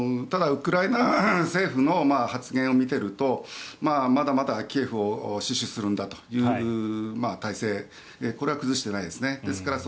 ただ、ウクライナ政府の発言を見ているとまだまだキエフを死守するんだという体勢これは崩してないですね。